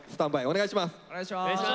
お願いします。